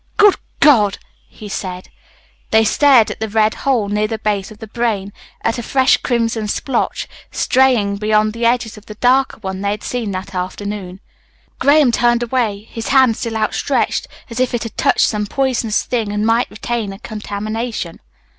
"Good God!" he said. They stared at the red hole, near the base of the brain, at a fresh crimson splotch, straying beyond the edges of the darker one they had seen that afternoon. Graham turned away, his hand still outstretched, as if it had touched some poisonous thing and might retain a contamination.